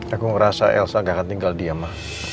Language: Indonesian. aku ngerasa elsa gak akan tinggal diam